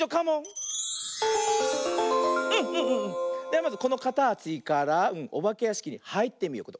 ではまずこのかたちからおばけやしきにはいってみよう。